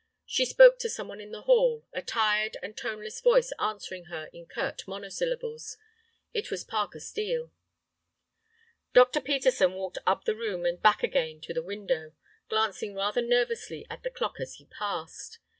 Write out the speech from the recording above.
She spoke to some one in the hall, a tired and toneless voice answering her in curt monosyllables. It was Parker Steel. Dr. Peterson walked up the room and back again to the window, glancing rather nervously at the clock as he passed.